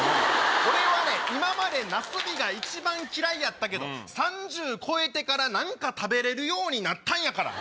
俺はね今までなすびが一番嫌いやったけど３０超えてから何か食べれるようになったんやから。